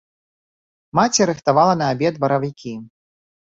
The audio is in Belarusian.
Маці рыхтавала на абед баравікі.